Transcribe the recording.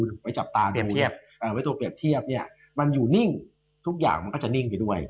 ถ้าคุณไปจับตาดูไปตัวเปรียบเทียบมันอยู่นิ่งทุกอย่างมันก็จะนิ่งไปด้วย